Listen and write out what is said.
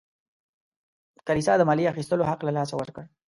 کلیسا د مالیې اخیستلو حق له لاسه ورکړ.